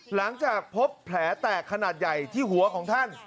หลังจากพบแผลแตกขนาดใหญ่ที่หัวของท่าน